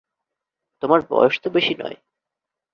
তোমার বয়স তো বেশি নয়।